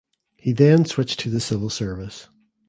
He then switched to the civil service.